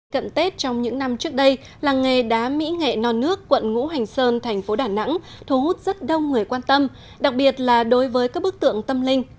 cận tết trong những năm trước đây làng nghề đá mỹ nghệ non nước quận ngũ hành sơn thành phố đà nẵng thu hút rất đông người quan tâm đặc biệt là đối với các bức tượng tâm linh